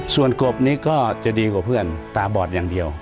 ส่วนกบนี้ก็จะดีกว่าเพื่อนตาบอดอย่างเดียว